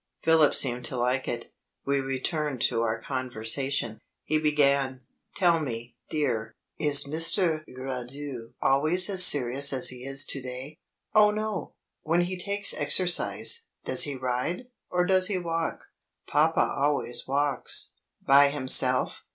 Philip seemed to like it. We returned to our conversation. He began: "Tell me, dear, is Mr. Gracedieu always as serious as he is to day?" "Oh no!" "When he takes exercise, does he ride? or does he walk?" "Papa always walks." "By himself?"